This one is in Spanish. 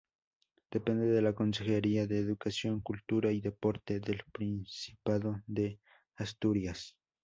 Depende de la Consejería de Educación, Cultura y Deporte del Principado de Asturias.